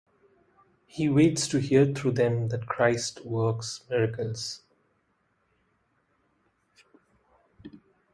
He waits to hear through them that Christ works miracles.